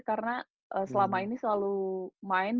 karena selama ini selalu main